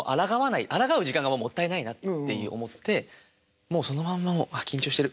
あらがう時間がもったいないなって思ってもうそのまんまを「ああ緊張してる。